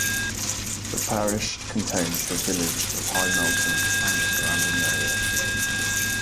The parish contains the village of High Melton and the surrounding area.